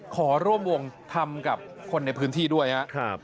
ขอร่วมวงทำกับคนในพื้นที่ด้วยครับ